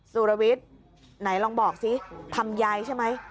สุรวิทย์ไหนลองบอกสิทำยายใช่ไหม